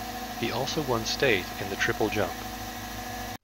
He also won state in the triple jump.